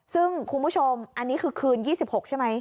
ซึ่งคุณผู้ชมอันนี้คือคืน๒๖ใช่ไหม